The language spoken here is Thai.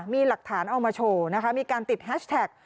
มีหลักฐานเอามาโชว์นะคะมีการติดแฮชแท็ก